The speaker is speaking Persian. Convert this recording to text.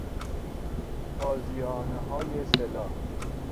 تازیانههای سه لا